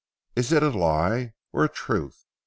"Is it a lie, or a truth?